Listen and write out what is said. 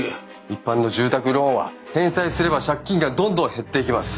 一般の住宅ローンは返済すれば借金がどんどん減っていきます。